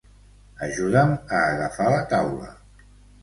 Ajuda'm a agafar la taula